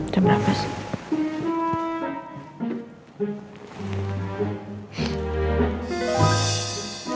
jam berapa sih